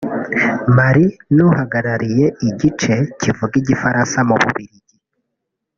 Mali n’uhagarariye igice kivuga igifaransa mu Bubiligi